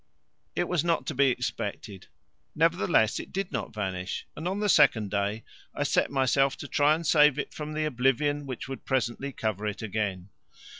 It was not to be expected; nevertheless it did not vanish, and on the second day I set myself to try and save it from the oblivion which would presently cover it again.